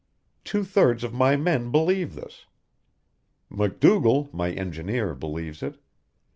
Two thirds of my men believe this. MacDougall, my engineer, believes it.